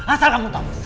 asal kamu tau